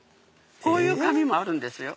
こういう紙もあるんですよ